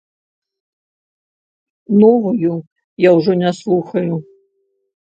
Новую я ўжо не слухаю.